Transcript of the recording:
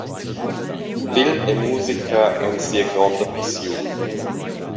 Film e musica ein sia gronda pissiun.